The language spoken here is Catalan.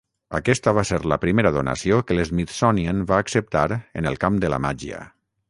Aquesta va ser la primera donació que l'Smithsonian va acceptar en el camp de la màgia.